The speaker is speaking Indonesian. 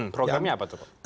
programnya apa itu pak